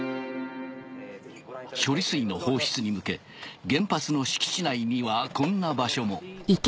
処理水の放出に向け原発の敷地内にはこんな場所も。